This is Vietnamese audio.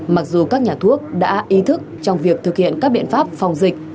mặc dù các nhà thuốc đã ý thức trong việc thực hiện các biện pháp phòng dịch